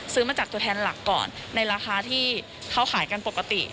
ซื้อมาจากตัวแทนหลักก่อนในราคาที่เขาขายกันปกติ